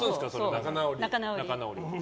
仲直りは。